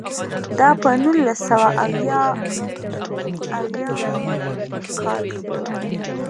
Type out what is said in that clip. دا په نولس سوه اویاووه کال کې و.